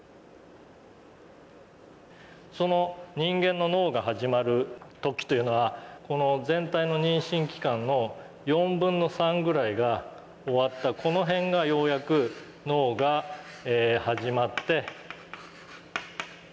その人間の脳が始まる時というのはこの全体の妊娠期間の４分の３ぐらいが終わったこの辺がようやく脳が始まって。